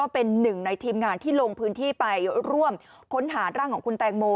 เป็นหนึ่งในทีมงานที่ลงพื้นที่ไปร่วมค้นหาร่างของคุณแตงโม